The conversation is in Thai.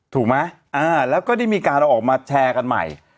ถูกไหมแล้วก็ได้มีการเอาออกมาแชร์กันใหม่